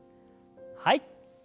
はい。